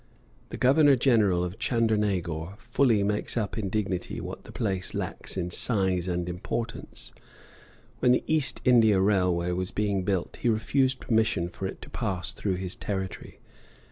The Governor General of Chandernagor fully makes up in dignity what the place lacks in size and importance; when the East India Railway was being built he refused permission for it to pass through his territory.